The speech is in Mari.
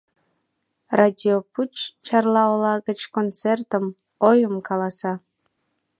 Радиопуч Чарла ола гыч концертым, ойым каласа.